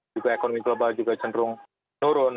juga ekonomi global juga cenderung menurun